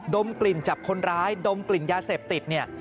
ดมกลิ่นจับคนร้ายดมกลิ่นยาเสพติดเนี่ย